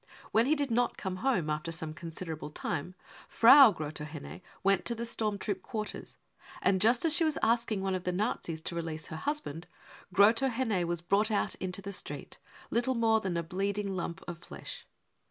When he did not come home after some considerable time, Frau Grotohenne went to the storm troop quarters, and just as she was asking one of the Nazis to release her husband, Grotohenne was brought out into the street, little more than a bleeding lump of flesh.